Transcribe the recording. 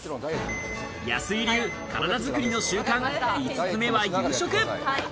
安井流、体作りの習慣、５つ目は夕食。